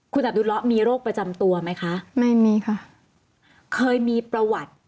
คุณอับดุเลาะมีโรคประจำตัวไหมคะไม่มีค่ะเคยมีประวัติ